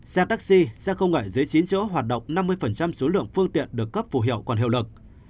xe taxi xe không ngại dưới chín chỗ hoạt động năm mươi số lượng phương tiện được cấp phù hiệu còn hiệu lực